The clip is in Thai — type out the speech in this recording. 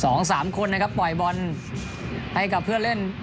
สองสามคนนะครับปล่อยบอลให้กับเพื่อนเล่น